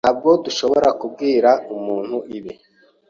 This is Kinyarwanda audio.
Ntabwo dushobora kubwira umuntu ibi.